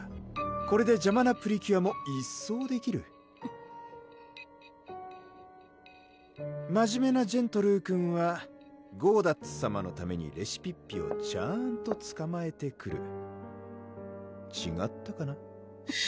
これで邪魔なプリキュアも一掃できる真面目なジェントルーくんはゴーダッツさまのためにレシピッピをちゃーんとつかまえてくるちがったかな？